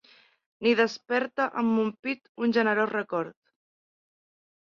Ni desperta en mon pit un generós record...